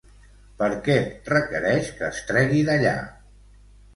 Per què requereix que es tregui d'allà?